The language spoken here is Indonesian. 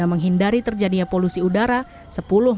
yang memiliki pengawasan terhadap gedung panin bank yang bertingkat